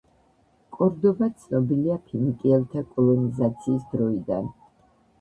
კორდობა ცნობილია ფინიკიელთა კოლონიზაციის დროიდან.